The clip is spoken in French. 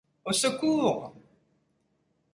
Au secours!